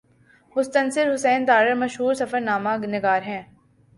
مستنصر حسین تارڑ مشہور سفرنامہ نگار ہیں۔